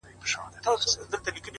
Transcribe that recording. دښایستونو خدایه اور ته به مي سم نیسې-